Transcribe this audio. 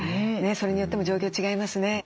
それによっても状況違いますね。